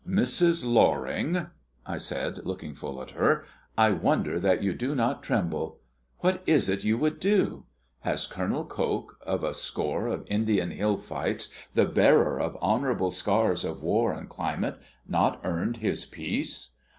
"Mrs. Loring," I said, looking full at her, "I wonder that you do not tremble! What is it you would do? Has Col. Coke, of a score of Indian hill fights, the bearer of honourable scars of war and climate, not earned his peace?